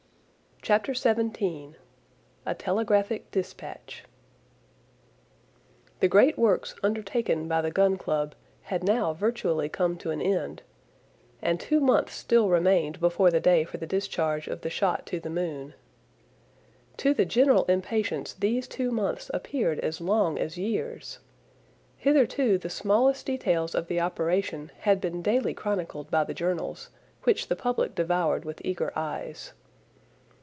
CHAPTER XVII. A TELEGRAPHIC DISPATCH The great works undertaken by the Gun Club had now virtually come to an end; and two months still remained before the day for the discharge of the shot to the moon. To the general impatience these two months appeared as long as years! Hitherto the smallest details of the operation had been daily chronicled by the journals, which the public devoured with eager eyes.